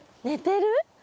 寝てる？